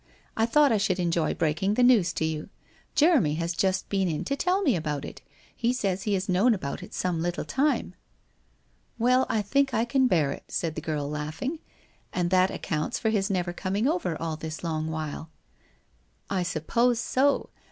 I thought I should enjoy breaking the news to you. Jeremy has just been in to tell me about it. He says he has known about it some little time/ ' Well, I think I can bear it,' said the girl laughing. ' And that accounts for his never coming over all this long while/ ' I suppose so.